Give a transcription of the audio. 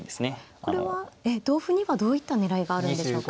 これは同歩にはどういった狙いがあるんでしょうか。